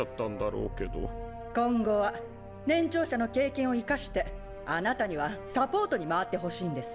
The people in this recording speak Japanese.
今後は年長者の経験を生かしてあなたにはサポートに回ってほしいんです。